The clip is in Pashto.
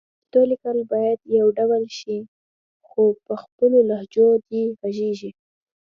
د پښتو لیکل باید يو ډول شي خو په خپلو لهجو دې غږېږي